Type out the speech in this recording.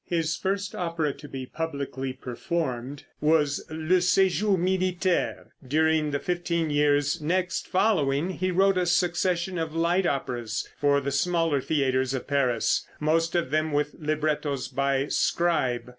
his first opera to be publicly performed was "Le Séjour Militaire." During the fifteen years next following he wrote a succession of light operas for the smaller theaters of Paris, most of them with librettos by Scribe.